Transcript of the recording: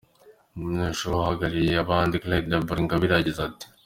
Umunyenshuri uhagarariye abandi, Claire Deborah Ingabire, yagize ati “.